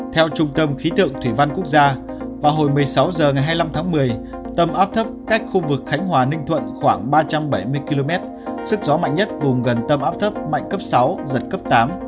theo trung tâm khí tượng thủy văn quốc gia vào hồi một mươi sáu h ngày hai mươi năm tháng một mươi tâm áp thấp cách khu vực khánh hòa ninh thuận khoảng ba trăm bảy mươi km sức gió mạnh nhất vùng gần tâm áp thấp mạnh cấp sáu giật cấp tám